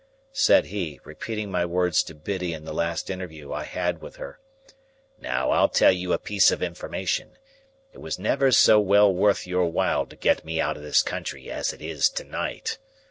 said he, repeating my words to Biddy in the last interview I had with her. "Now, I'll tell you a piece of information. It was never so well worth your while to get me out of this country as it is to night.